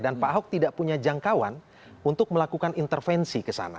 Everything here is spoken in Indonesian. dan pak ahok tidak punya jangkauan untuk melakukan intervensi kesana